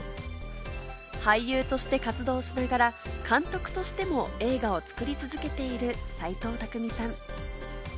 俳優として活動しながら、監督としても映画を作り続けている、齊藤工さん。